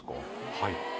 はい。